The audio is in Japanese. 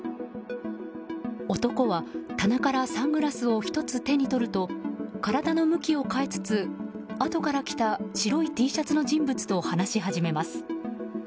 男は、棚からサングラスを１つ手に取ると体の向きを変えつつ後から来た白いＴシャツの人物と話し始めます。